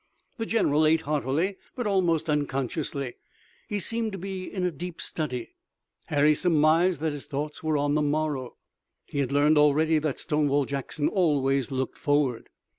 The general ate heartily, but almost unconsciously. He seemed to be in a deep study. Harry surmised that his thoughts were on the morrow. He had learned already that Stonewall Jackson always looked forward.